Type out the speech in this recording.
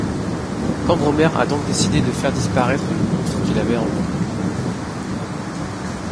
Cambremer a donc décidé de faire disparaître le monstre qu'il avait engendré.